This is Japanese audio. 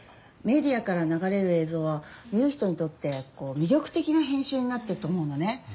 メディアから流れる映像は見る人にとってこう魅力的な編集になってると思うのね。